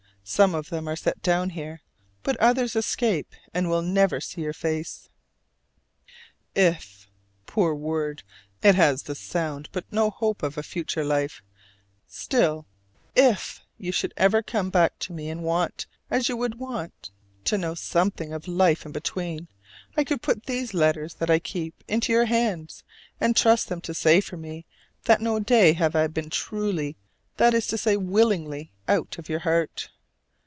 Some of them are set down here, but others escape and will never see your face! If (poor word, it has the sound but no hope of a future life): still, IF you should ever come back to me and want, as you would want, to know something of the life in between, I could put these letters that I keep into your hands and trust them to say for me that no day have I been truly, that is to say willingly, out of your heart.